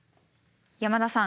山田さん。